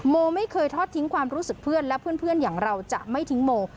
โมไม่เคยทอดทิ้งความรู้สึกเพื่อนและเพื่อนอย่างเราจะไม่ทิ้งโม